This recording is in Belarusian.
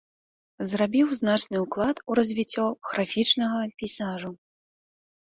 Зрабіў значны ўклад у развіццё графічнага пейзажу.